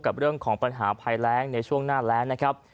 กับเรื่องของปัญหาภัยแรงในช่วงหน้าแรงนะครับ